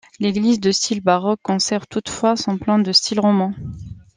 L'église de style baroque conserve toutefois son plan de style roman.